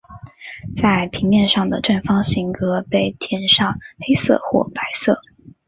在平面上的正方形格被填上黑色或白色。